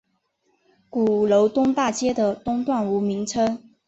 鼓楼东大街的东段无名称。